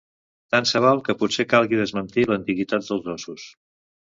Tant se val que potser calgui desmentir l'antiguitat dels ossos.